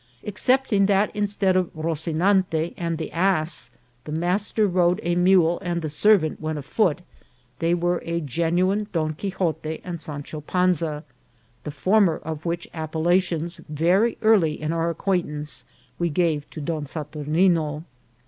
Excepting that instead of Rosinante and the ass the master rode a mule and the servant went afoot, they were a genuine Don Quixote and Sancho Panza, the former of which appellations, very early in our acquaintance, we gave to Don Saturnine.